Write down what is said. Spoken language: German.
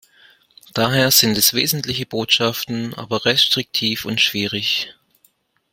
Daher sind es wesentliche Botschaften, aber restriktiv und schwierig.